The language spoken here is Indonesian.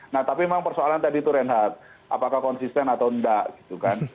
nah tapi memang persoalan tadi itu reinhardt apakah konsisten atau enggak gitu kan